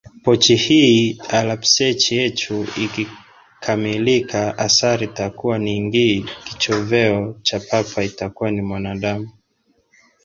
Pochi hii alapsechi echu ikikamilika asari takuva ningii kichoveo cha papa itakuva ni mwanadamu.